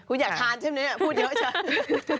คุณอยากทานใช่ไหมพูดเยอะจัง